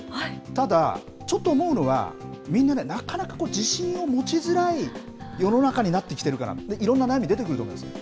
ただ、ちょっと思うのは、みんなね、なかなか自信を持ちづらい世の中になってきてるから、いろんな悩み出てくると思うんですよ。